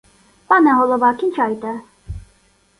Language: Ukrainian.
— Пане голова, кінчайте.